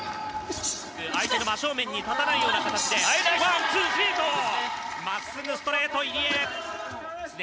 相手の真正面に立たないような形で。